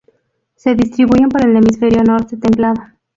Se distribuyen por el hemisferio norte templado.